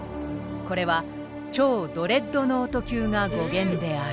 これは「超ドレッドノート級」が語源である。